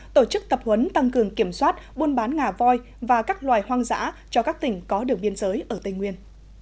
tổ chức tập huấn tăng cường kiểm soát buôn bán ngà voi và các loài hoang dã cho các tỉnh có đường biên giới ở tây nguyên